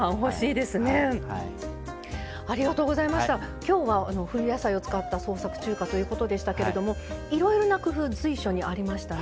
今日は冬野菜を使った創作中華ということでしたがいろいろな工夫随所にありましたね。